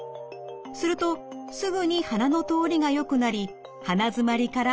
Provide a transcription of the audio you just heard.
するとすぐに鼻の通りがよくなり鼻づまりから解放されました。